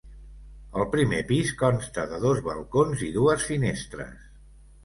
El primer pis consta de dos balcons i dues finestres.